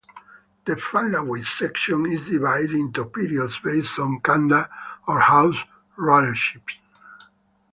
The following section is divided into periods based on kanda or house rulership.